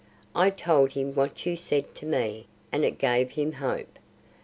I told him what you said to me, and it gave him hope.